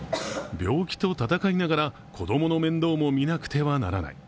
病気と闘いながら子供の面倒も見なくてはならない。